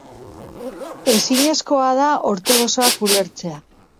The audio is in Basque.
Ezinezkoa da ortodoxoak ulertzea.